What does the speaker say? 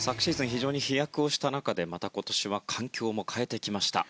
非常に飛躍をした中でまた今年は環境も変えてきました。